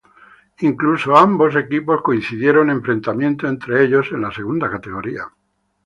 Incluso, ambos equipos coincidieron en enfrentamientos entre ellos en la segunda categoría.